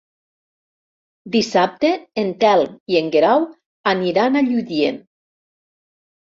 Dissabte en Telm i en Guerau aniran a Lludient.